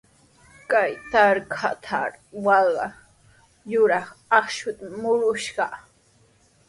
Kay trakratrawqa yuraq akshutami murushaq.